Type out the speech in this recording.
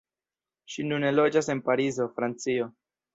Ŝi nune loĝas en Parizo, Francio.